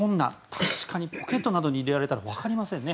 確かにポケットなどに入れられたら、わかりませんね。